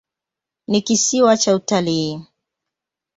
Ni kisiwa cha utalii.